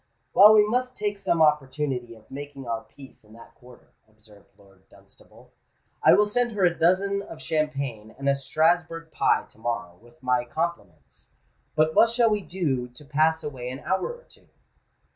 "Well, we must take some opportunity of making our peace in that quarter," observed Lord Dunstable. "I will send her a dozen of champagne and a Strasburg pie to morrow, with my compliments. But what shall we do to pass away an hour or two?"